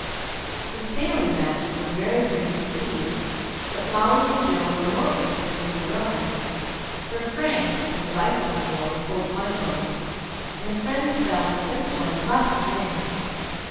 The sailing matches were very pretty to see; but Molly and Jill were more interested in the rowing, for Frank and the bicycle boy pulled one boat, and the friends felt that this one must win.